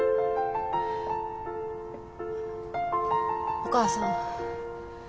お母さん。